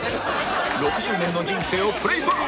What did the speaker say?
６０年の人生をプレイバック！